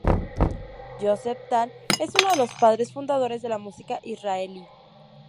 Josef Tal es uno de los padres fundadores de la música israelí.